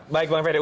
baik bang fede